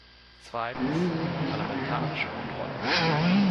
Zweitens, parlamentarische Kontrolle.